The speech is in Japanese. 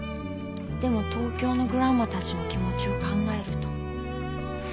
でも東京のグランマたちの気持ちを考えると」。